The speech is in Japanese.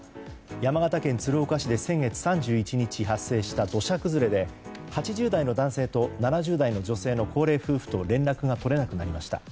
山形県鶴岡市で先月３１日発生した土砂崩れで８０代の男性と７０代の女性の高齢夫婦と連絡が取れなくなりました。